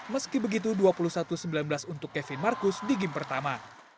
meski begitu dua puluh satu sembilan belas untuk kevin marcus di game pertama